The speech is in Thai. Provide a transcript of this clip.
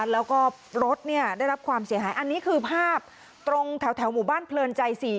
แล้วก็รถได้รับความเสียหายอันนี้คือภาพตรงแถวหมู่บ้านเพลินใจ๔